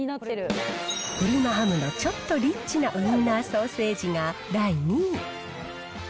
プリマハムのちょっとリッチなウインナーソーセージが第２位。